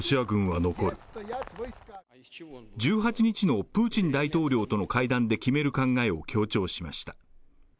１８日のプーチン大統領との会談で決める考えを強調しました。